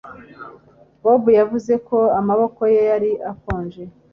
Bobo yavuze ko amaboko ye yari akonje